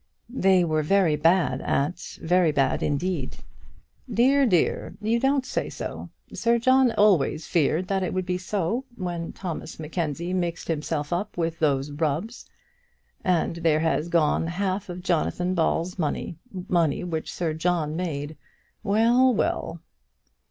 "They were very bad, aunt, very bad indeed." "Dear, dear; you don't say so. Sir John always feared that it would be so when Thomas Mackenzie mixed himself up with those Rubbs. And there has gone half of Jonathan Ball's money, money which Sir John made! Well, well!"